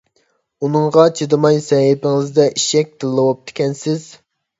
ئۇنىڭغا چىدىماي سەھىپىڭىزدە ئىششەك تىللىۋاپتىكەنسىز.